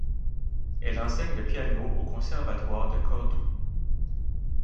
Elle enseigne le piano au conservatoire de Cordoue.